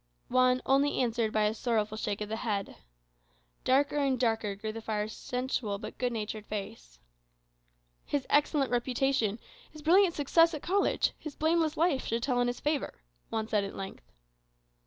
Juan only answered by a sorrowful shake of the head. Darker and darker grew the friar's sensual but good natured face. "His excellent reputation, his brilliant success at college, his blameless life should tell in his favour," Juan said at length.